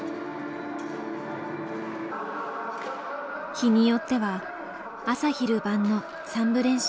日によっては朝昼晩の３部練習。